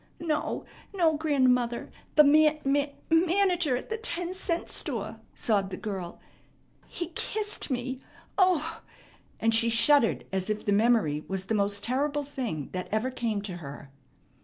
"No, no, grandmother, the man man manager at the ten cent store," sobbed the girl; "he kissed me! Oh!" and she shuddered as if the memory was the most terrible thing that ever came to her.